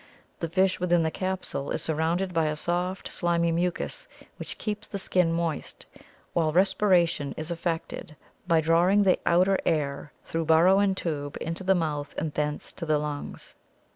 The fish within the capsule is surrounded by a soft slimy mucus which keeps the skin moist, while respiration is effected by drawing the outer air through bur row and tube into the mouth and thence to the lungs.